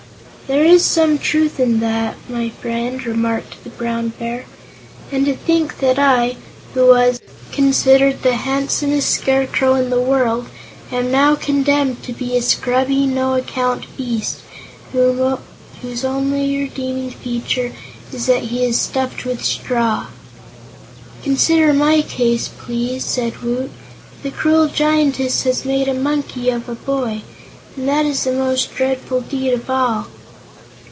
"There is some truth in that, my friend," remarked the Brown Bear. "And to think that I, who was considered the handsomest Scarecrow in the world, am now condemned to be a scrubby, no account beast, whose only redeeming feature is that he is stuffed with straw!" "Consider my case, please," said Woot. "The cruel Giantess has made a Monkey of a Boy, and that is the most dreadful deed of all!"